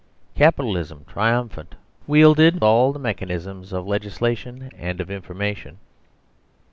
Capitalism triumphant wielded all the mechanism of legislation and of information too.